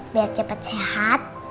biar cepat sehat